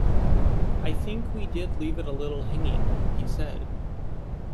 "I think we did leave it a little hanging", he said.